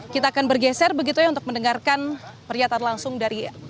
kita akan bergeser begitu ya untuk mendengarkan pernyataan langsung dari